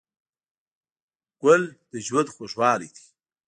ګل د ژوند خوږوالی دی.